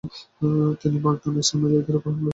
তিনি বাগদাদ ও ইসমাইলিদের উপর হামলার জন্য পদক্ষেপ নেন।